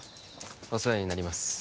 お世話になります